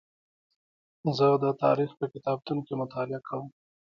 زه د تاریخ په کتابتون کې مطالعه کوم.